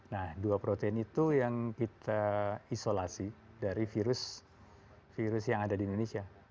nah dua protein itu yang kita isolasi dari virus virus yang ada di indonesia